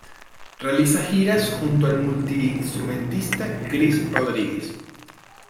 Realiza giras junto al multiinstrumentista Chris Rodrigues.